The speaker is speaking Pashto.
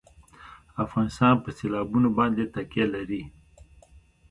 افغانستان په سیلابونه باندې تکیه لري.